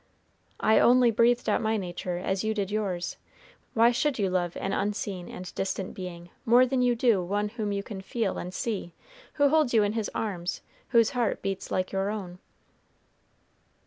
"I only breathed out my nature, as you did yours. Why should you love an unseen and distant Being more than you do one whom you can feel and see, who holds you in his arms, whose heart beats like your own?"